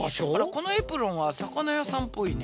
このエプロンは魚屋さんぽいね。